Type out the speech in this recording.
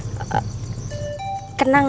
ini hari yang kepinginan mas